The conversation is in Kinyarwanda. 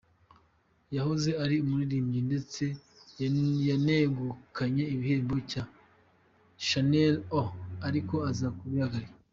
Yahoze ari umuririmbyi ndetse yanegukanye igihembo cya Channel O ariko aza kubihagarika.